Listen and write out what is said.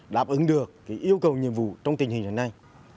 đáp ứng được yêu cầu nhiệm vụ trong tình hình hiện nay